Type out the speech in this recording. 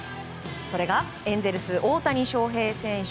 それがエンゼルス大谷翔平選手